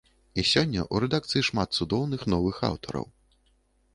І сёння ў рэдакцыі шмат цудоўных новых аўтараў.